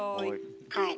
はい。